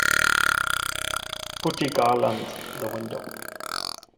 Putti garland the window.